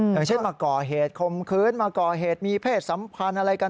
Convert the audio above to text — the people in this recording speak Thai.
อย่างเช่นมาก่อเหตุคมคืนมาก่อเหตุมีเพศสัมพันธ์อะไรกัน